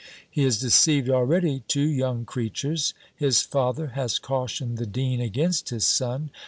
He has deceived already two young creatures. His father has cautioned the dean against his son.